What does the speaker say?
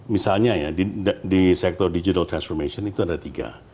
misalnya ya di sektor digital transformation itu ada tiga